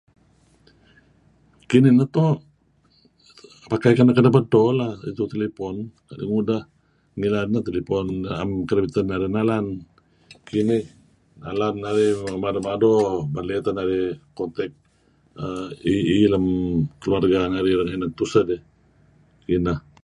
Kinih neto' pakai kenep-kenep edto lah itu telefon. Ngilad neh telefon na'em kereb iten narih nalan . Kinih nalan narih mey mado-mado meley teh narih kontek iih-iih lem keluarga narih renga' inan tuseh dih. Kineh,